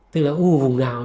tức là u vùng nào